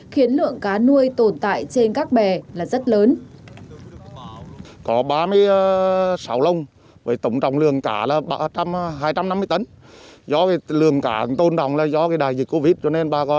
khiến lượng cá nuôi tồn tại trên các bè